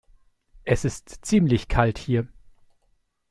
Es ist ziemlich kalt hier.